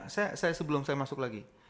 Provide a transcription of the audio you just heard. saya sebelum saya masuk lagi